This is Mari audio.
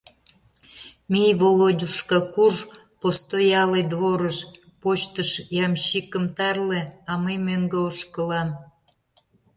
Мий, Володюшка, курж постоялый дворыш, почтыш, ямщикым тарле, а мый мӧҥгӧ ошкылам.